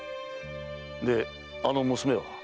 であの娘は？